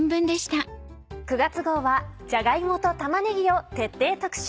９月号はじゃが芋と玉ねぎを徹底特集。